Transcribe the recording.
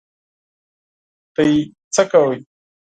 تاسو څه کوئ؟